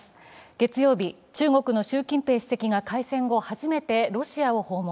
月曜日、中国の習近平国家主席が開戦後、初めてロシアを訪問。